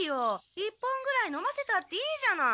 １本ぐらい飲ませたっていいじゃない。